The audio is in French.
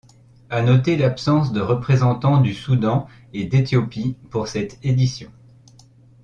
A noter l'absence de représentant du Soudan et d'Éthiopie pour cette édition.